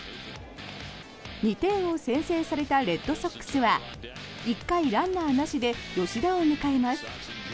２点を先制されたレッドソックスは１回、ランナーなしで吉田を迎えます。